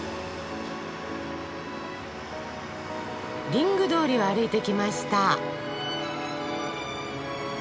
リング通りを歩いてきました。